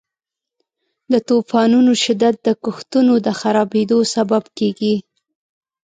د طوفانونو شدت د کښتونو د خرابیدو سبب کیږي.